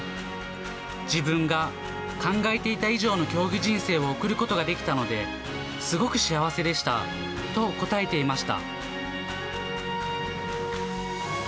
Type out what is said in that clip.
自分が考えていた以上の競技人生を送れることができたので、すごく幸せでしたと答えていました。